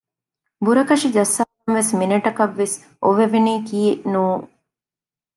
ބުރަކަށި ޖައްސާލަންވެސް މިނެޓަކަށް ވެސް އޮވެވެނީކީ ނޫން